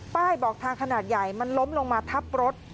บอกทางขนาดใหญ่มันล้มลงมาทับรถ